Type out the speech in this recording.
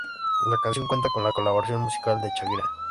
La canción cuenta con la colaboración musical de Shakira.